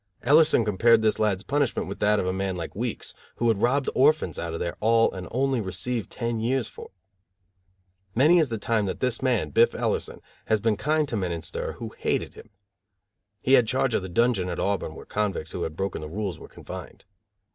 Ellerson compared this lad's punishment with that of a man like Weeks, who had robbed orphans out of their all and only received ten years for it. Many is the time that this man, Biff Ellerson, has been kind to men in stir who hated him. He had charge of the dungeon at Auburn where convicts who had broken the rules were confined.